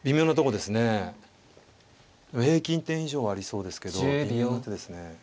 でも平均点以上はありそうですけど微妙な手ですね